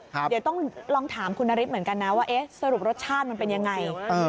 เดี๋ยวต้องลองถามคุณนฤทธิ์เหมือนกันนะว่าสรุปรสชาติมันเป็นยังไง